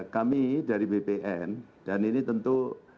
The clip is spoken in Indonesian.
kami dari bpn dan ini tentu